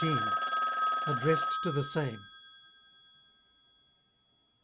ADDRESSED TO THE SAME.